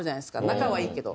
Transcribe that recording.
仲はいいけど。